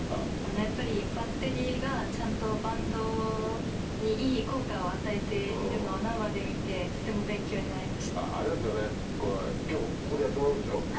やっぱりバッテリーが、ちゃんとバンドにいい効果を与えているのを生で見て、とても勉強あれですよね、きょうここでやってもらうんでしょう。